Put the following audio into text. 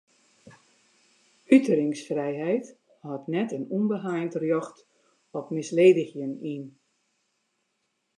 Uteringsfrijheid hâldt net in ûnbeheind rjocht op misledigjen yn.